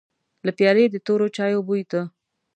له پيالې د تورو چايو بوی ته.